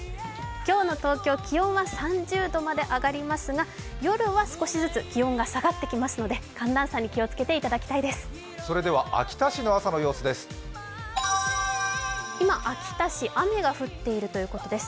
今日の東京、気温は３０度まで上がりますが夜は少しずつ気温が下がってきますので、寒暖差に気をつけていただきたいです。